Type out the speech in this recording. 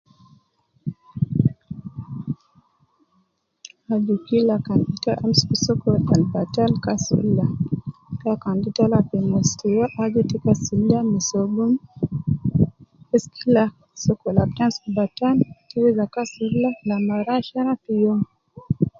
Aju kila kan ta amsuku sokol al batal, kasul ida, kila kan te tala fi mustura aju te kasul ida me sobun, bes kila sokol ab te amsuku batal, te weza kasul ida ladi mar ashara fi youm